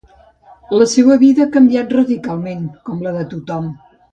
La seua vida ha canviat radicalment, com la de tothom.